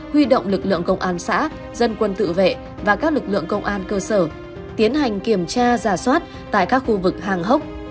huy động lực lượng công an xã dân quân tự vệ và các lực lượng công an cơ sở tiến hành kiểm tra giả soát tại các khu vực hàng hốc